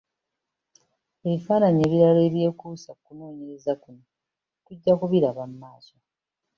Ebifaananyi ebirala ebyekuusa ku kunoonyereza kuno tujja kubiraba mu maaso.